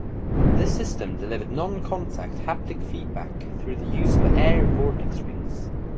This system delivered non-contact haptic feedback through the use of air vortex rings.